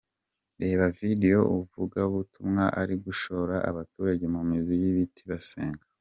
Reba video umuvugabutumwa ari gushora abaturage mu mizi y’ibiti basenga.